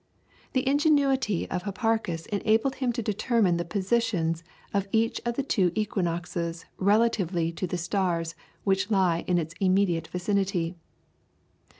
The ingenuity of Hipparchus enabled him to determine the positions of each of the two equinoxes relatively to the stars which lie in its immediate vicinity.